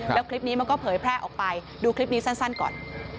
แล้วคลิปนี้มันก็เผยแพร่ออกไปดูคลิปนี้สั้นก่อน